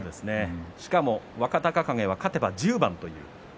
しかも若隆景は勝てば１０番という。